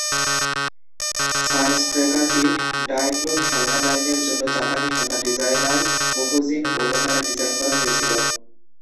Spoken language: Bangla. সানস্ট্রেকারটি ডায়ক্লোন খেলনা লাইনের জন্য জাপানি খেলনা ডিজাইনার কোহজিন ওনো দ্বারা ডিজাইন করা হয়েছিল।